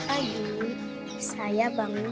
baru saya mandi